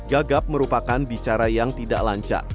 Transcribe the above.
gagap merupakan bicara yang tidak lancar